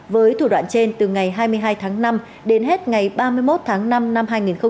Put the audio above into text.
với thủ đoạn trên từ ngày hai mươi hai tháng năm đến hết ngày ba mươi một tháng năm năm hai nghìn hai mươi